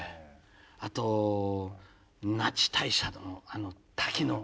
あと那智大社のあの滝の。